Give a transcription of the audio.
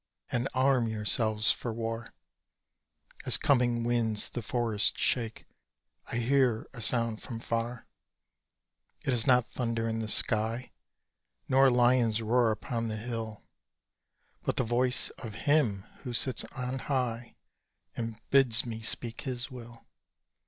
And arm yourselves for war, As coming winds the forest shake, I hear a sound from far: It is not thunder in the sky, Nor lion's roar upon the hill, But the voice of Him who sits on high, And bids me speak His will!